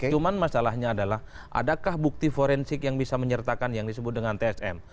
cuman masalahnya adalah adakah bukti forensik yang bisa menyertakan yang disebut dengan tsm